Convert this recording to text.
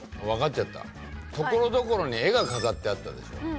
わかっちゃったところどころに絵が飾ってあったでしょ。